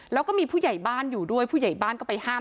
แล้วก็มีผู้ใหญ่บ้านอยู่ด้วยผู้ใหญ่บ้านก็ไปห้าม